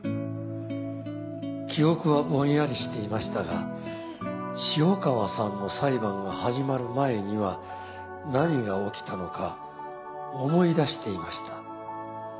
「記憶はぼんやりしていましたが潮川さんの裁判が始まる前には何が起きたのか思い出していました」